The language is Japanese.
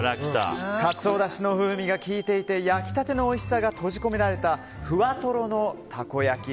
かつおだしの風味が効いていて焼きたてのおいしさが閉じ込められたふわとろのたこ焼き。